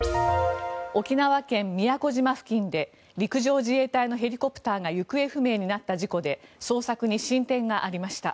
沖縄県・宮古島付近で陸上自衛隊のヘリコプターが行方不明になった事故で捜索に進展がありました。